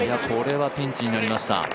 これはピンチになりました。